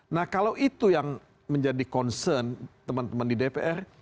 nah kalau itu yang menjadi concern teman teman di dpr